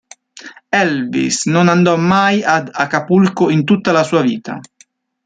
Elvis non andò mai ad Acapulco in tutta la sua vita.